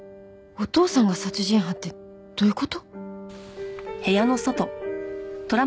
お父さんが殺人犯ってどういう事？